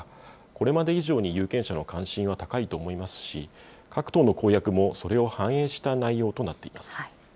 これまで以上に有権者の関心は高いと思いますし、各党の公約もそれを反映した内容となっています。